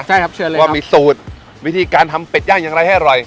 ใช่ครับเชิญเลยว่ามีสูตรวิธีการทำเป็ดย่างอย่างไรให้อร่อย